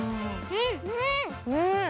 うん！